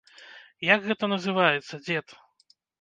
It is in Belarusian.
Як гэта называецца, дзед?